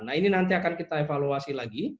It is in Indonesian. nah ini nanti akan kita evaluasi lagi